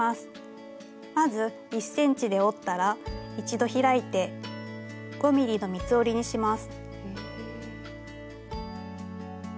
まず１ｃｍで折ったら一度開いて５ｍｍの三つ折りにします。